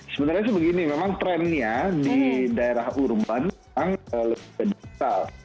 sebenarnya sebegini memang trennya di daerah urban memang lebih digital